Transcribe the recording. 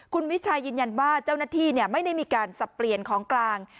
คุณวิชัยยืนยันว่าเจ้าหน้าที่ไม่ได้มีการสับเปลี่ยนของกลาง